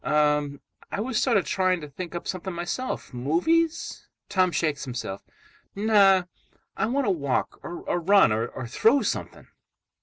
"Um. I was sort of trying to think up something myself. Movies?" Tom shakes himself. "No. I want to walk, or run, or throw something."